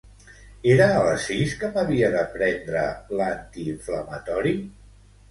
Era a les sis que m'havia de prendre l'antiinflamatori?